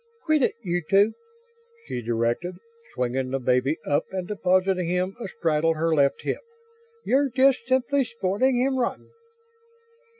"Quit it, you two," she directed, swinging the baby up and depositing him a straddle her left hip. "You're just simply spoiling him rotten."